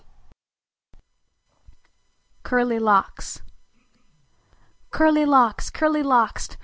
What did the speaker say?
3 T CURLY LOCKS CURLY Locks! Curly Locks!